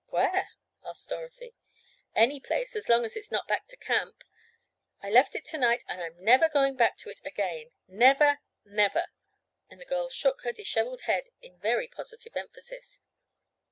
"Where?" asked Dorothy. "Any place as long as it's not back to camp. I left it to night and I'm never going back to it again—never! never!" and the girl shook her disheveled head in very positive emphasis.